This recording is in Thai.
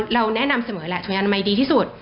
เราแนะนำเสมอแหละช่วยอนามัยดีที่สุด